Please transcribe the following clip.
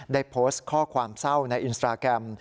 ได้โพสต์ข้อความเศร้าในอินสตราแกรม